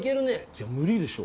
いや無理でしょ。